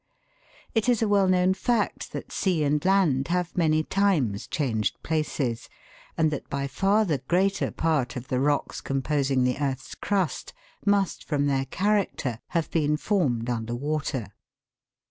It is a well known fact that sea and land have many times changed places, and that by far the greater part of the rocks composing the earth's crust must, from their character, have been formed under water.